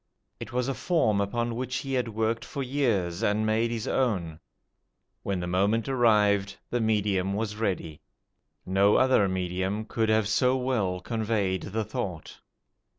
It was a form upon which he had worked for years, and made his own. When the moment arrived the medium was ready. No other medium could have so well conveyed the thought.